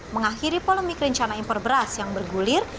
mengakhiri polomi kerencana impor beras yang bergulir